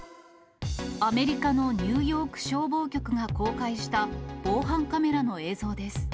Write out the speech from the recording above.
アメリカのニューヨーク消防局が公開した防犯カメラの映像です。